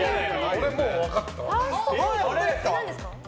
俺、もう分かったわ。